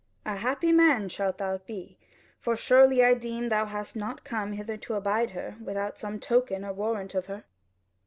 A happy man shalt thou be; for surely I deem thou hast not come hither to abide her without some token or warrant of her."